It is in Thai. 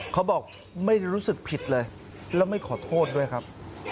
เขาบอกไม่รู้สึกผิดเลยแล้วไม่ขอโทษด้วยครับ